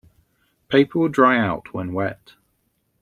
Paper will dry out when wet.